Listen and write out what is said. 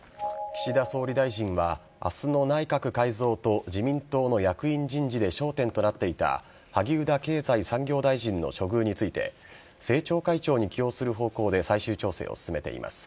岸田総理大臣は、あすの内閣改造と自民党の役員人事で焦点となっていた、萩生田経済産業大臣の処遇について、政調会長に起用する方向で最終調整を進めています。